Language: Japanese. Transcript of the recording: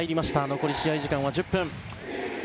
残り試合時間は１０分。